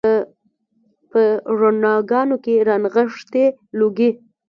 په رڼاګانو کې رانغښي لوګي